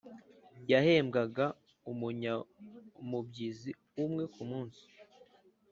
yahembwaga umunyamubyizi umwe kumunsi,